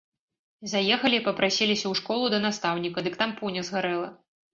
Заехалі, папрасіліся ў школу да настаўніка, дык там пуня згарэла!